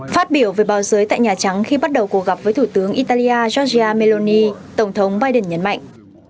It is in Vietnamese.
phát biểu về báo giới tại nhà trắng khi bắt đầu cuộc gặp với thủ tướng italia giorgia meloni tổng thống biden nhấn mạnh